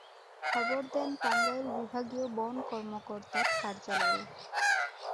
খবর দেন টাঙ্গাইল বিভাগীয় বন কর্মকর্তার কার্যালয়ে।